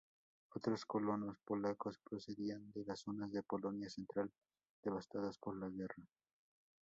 Otros colonos polacos procedían de las zonas de Polonia central devastadas por la guerra.